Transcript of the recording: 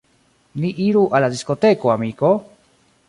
Ni iru al la diskoteko, amiko!